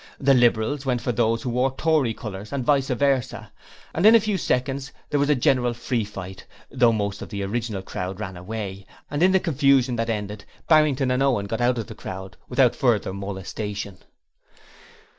The Liberals went for those who wore Tory colours and vice versa, and in a few seconds there was a general free fight, though most of the original crowd ran away, and in the confusion that ended, Barrington and Owen got out of the crowd without further molestation.